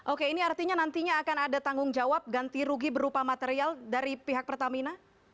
oke ini artinya nantinya akan ada tanggung jawab ganti rugi berupa material dari pihak pertamina